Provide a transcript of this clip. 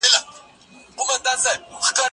زه مخکي موسيقي اورېدلې وه